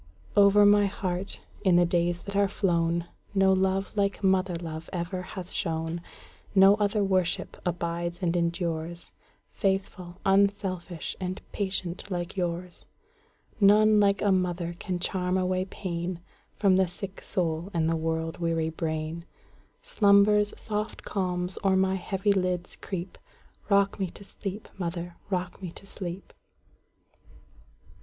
Over my heart, in the days that are flown, No love like mother love ever has shone; No other worship abides and endures,—Faithful, unselfish, and patient like yours:None like a mother can charm away painFrom the sick soul and the world weary brain. Slumber's soft calms o'er my heavy lids creep;—Rock me to sleep, mother,—rock me to sleep!